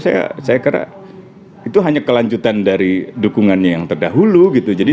saya kira itu hanya kelanjutan dari dukungannya yang terdahulu gitu